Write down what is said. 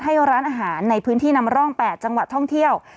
ให้ร้านอาหารในพื้นที่นำร่อง๘จังหวัดท่องเที่ยว